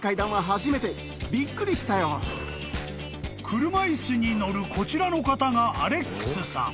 ［車椅子に乗るこちらの方がアレックスさん］